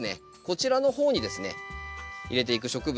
こちらの方にですね入れていく植物